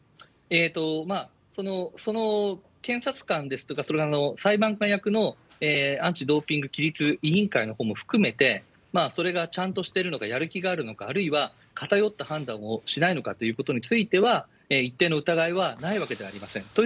まあ、その検察官ですとか、裁判官役のアンチドーピング規律委員会のほうも含めて、それがちゃんとしているのか、やる気があるのか、あるいは偏った判断をしないのかということについては、一定の疑いはないわけではありません。